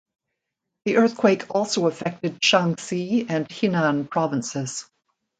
The earthquake also affected Shaanxi and Henan provinces.